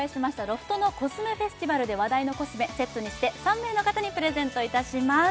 ロフトのコスメフェスティバルで話題のコスメセットにして３名の方にプレゼントいたします